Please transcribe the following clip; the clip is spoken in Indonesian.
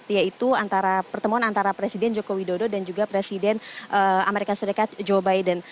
yaitu pertemuan antara presiden jokowi dodo dan juga presiden amerika serikat joe biden